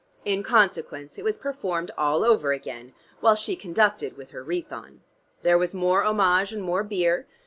In consequence it was performed all over again, while she conducted with her wreath on. There was more homage and more beer.